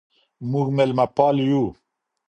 موږ ميلمه پال يو.